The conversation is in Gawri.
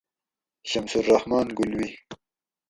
شمس الرّحمٰن گلوی